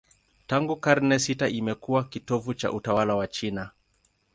Tangu karne sita imekuwa kitovu cha utawala wa China.